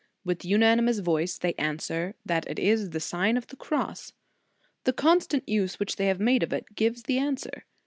With unanimous voice they answer, that it is the Sign of the Cross. The constant use which they have made of it, gives the answer.